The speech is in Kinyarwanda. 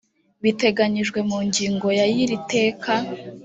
biteganyijwe mu ngingo ya y iri teka